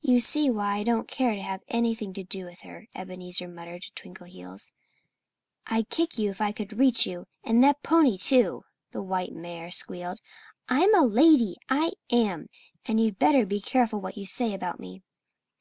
"You see why I don't care to have anything to do with her," Ebenezer muttered to Twinkleheels. "I'd kick you if I could reach you and that pony too," the white mare squealed. "I'm a lady I am. And you'd better be careful what you say about me."